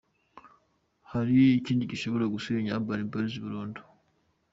Hari ikindi gishobora gusenya Urban Boys burundu.